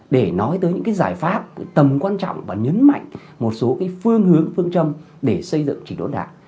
để nói tới những giải pháp tầm quan trọng và nhấn mạnh một số phương hướng phương trâm để xây dựng chỉ đối đảng